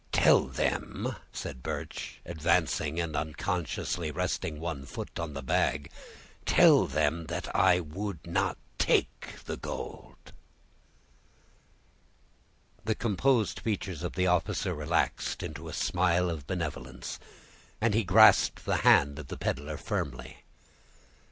"Tell them," said Birch, advancing and unconsciously resting one foot on the bag, "tell them that I would not take the gold!" The composed features of the officer relaxed into a smile of benevolence, and he grasped the hand of the peddler firmly.